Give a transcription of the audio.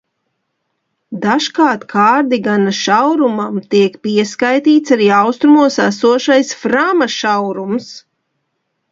Dažkārt Kārdigana šaurumam tiek pieskaitīts arī austrumos esošais Frama šaurums.